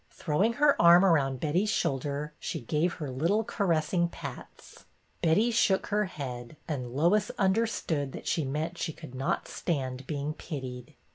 Throwing her arm around Betty's shoulder, she gave her little caressing pats. Betty shook her head, and Lois understood that she meant she could not stand being pitied.